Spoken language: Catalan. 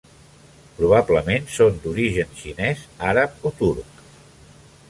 Probablement són d'origen xinès, àrab o turc.